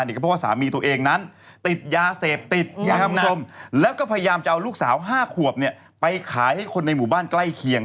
เพราะว่าสามีตัวเองนั้นติดยาเสพติดนะครับคุณผู้ชมแล้วก็พยายามจะเอาลูกสาว๕ขวบไปขายให้คนในหมู่บ้านใกล้เคียง